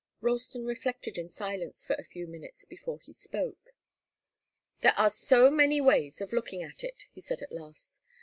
Ralston reflected in silence for a few minutes, before he spoke. "There are so many ways of looking at it," he said at last.